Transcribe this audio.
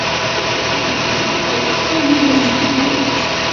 Aqjun-nni iɣeẓẓa Yuba si teglult.